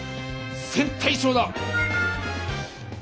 「線対称」だ！